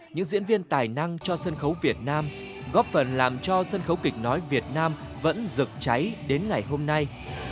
những diễn viên tài năng cho sân khấu việt nam góp phần làm cho sân khấu kịch nói việt nam vẫn rực cháy đến ngày hôm nay